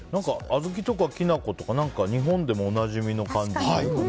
小豆とか、きな粉とか日本でもおなじみの感じ。